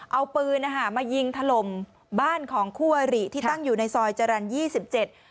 เอาปืนนะคะมายิงถล่มบ้านของคู่อริที่ตั้งอยู่ในซอยจรรย์ยี่สิบเจ็ด